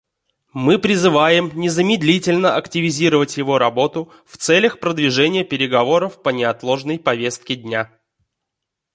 Мы призываем незамедлительно активизировать его работу в целях продвижения переговоров по неотложной повестке дня.